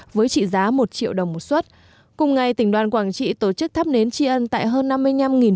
với trị giá một triệu đồng một xuất cùng ngày tỉnh đoàn quảng trị tổ chức thắp nến tri ân tại hơn